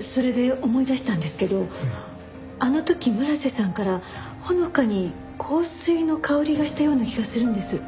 それで思い出したんですけどあの時村瀬さんからほのかに香水の香りがしたような気がするんです。